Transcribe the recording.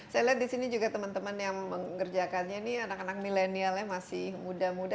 saya lihat di sini juga teman teman yang mengerjakannya ini anak anak milenial ya masih muda muda